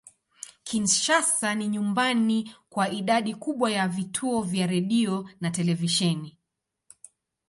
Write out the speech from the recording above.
Kinshasa ni nyumbani kwa idadi kubwa ya vituo vya redio na televisheni.